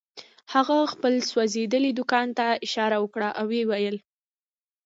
هغه خپل سوځېدلي دوکان ته اشاره وکړه او ويې ويل.